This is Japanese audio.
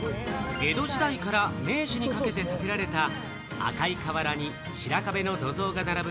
江戸時代から明治にかけて建てられた、赤い瓦に白壁の土蔵が並ぶ